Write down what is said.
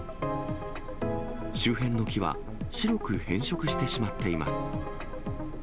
周辺の木は、白く変色してしまっています。